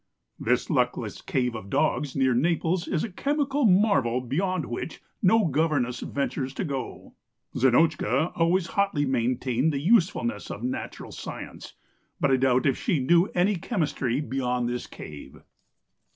"This luckless Cave of Dogs near Naples is a chemical marvel beyond which no governess ventures to go. Zinotchka always hotly maintained the usefulness of natural science, but I doubt if she knew any chemistry beyond this Cave.